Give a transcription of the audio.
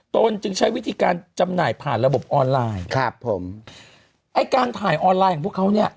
ตนจึงใช้วิธีการจำหน่ายผ่านระบบออนไลน์ครับผมไอ้การถ่ายออนไลน์ของพวกเขาเนี่ย